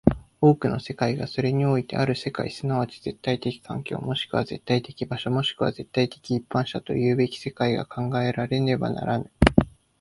多くの世界がそれにおいてある世界即ち絶対的環境、もしくは絶対的場所、もしくは絶対的一般者ともいうべき世界が考えられねばならぬ。